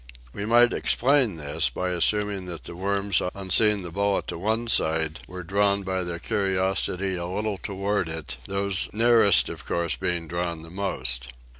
We might " explain " this by assuming that the worms on seeing the bullet to one side were drawn A CHOICE OF EXPLANATIONS 75 by their curiosity a little toward it, those nearest of course being drawn the most.